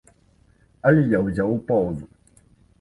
Але я ўзяў паўзу.